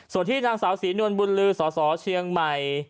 ส่วนที่นางสาวศรีนวลบุญลือสสเชียงใหม่